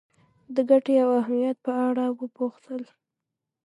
د ګټې او اهمیت په اړه وپوښتل.